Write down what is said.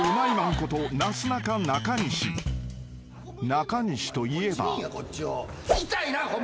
［中西といえば］